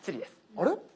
あれ？